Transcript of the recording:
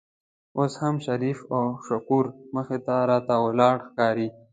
اوس هم شریف او شکور مخې ته راته ولاړ ښکاري.